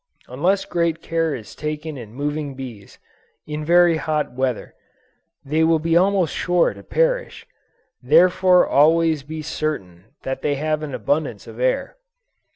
Unless great care is taken in moving bees, in very hot weather, they will be almost sure to perish; therefore always be certain that they have an abundance of air.